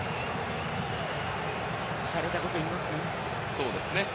しゃれたこと言いますね。